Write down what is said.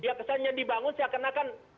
ya kesan yang dibangun saya akan akan